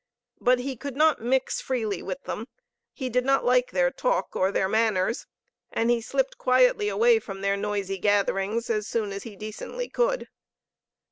But he could not mix freely with them, he did not like their talk or their manners, and he slipped quietly away from their noisy gatherings as soon as he decently could.